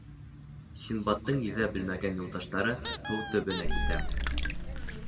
Синдбадтың йөҙә белмәгән юлдаштары һыу төбөнә китә.